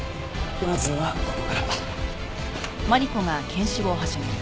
まずはここから。